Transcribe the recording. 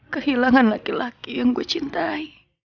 kehilangan laki laki yang gue cintai